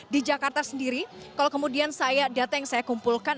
di jakarta sendiri kalau kemudian saya data yang saya kumpulkan